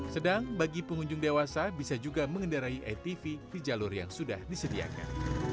sedang bagi pengunjung dewasa bisa juga mengendarai atv di jalur yang sudah disediakan